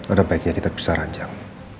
ada baiknya kita bisa rancang